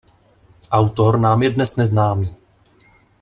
Autor nám je dnes neznámý.